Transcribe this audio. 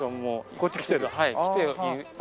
こっち来てる？